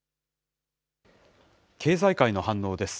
経済界の反応です。